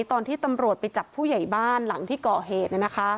ตอนที่ตำรวจไปจับผู้ใหญ่บ้านหลังที่ก่อเหตุ